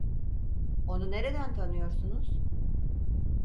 Onu nereden tanıyorsunuz?